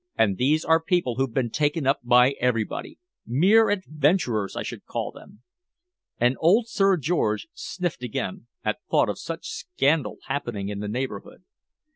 And these are people who've been taken up by everybody mere adventurers, I should call them!" And old Sir George sniffed again at thought of such scandal happening in the neighborhood.